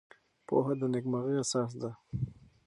پوهه د نېکمرغۍ اساس دی.